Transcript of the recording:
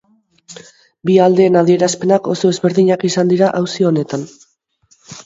Bi aldeen adierazpenak oso ezberdinak izan dira auzi honetan.